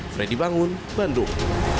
freddy bangun bandung